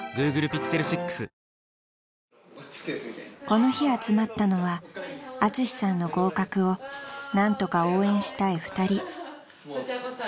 ［この日集まったのはアツシさんの合格を何とか応援したい２人］